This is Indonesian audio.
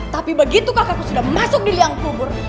tapi begitu kakakku sudah masuk di liang kubur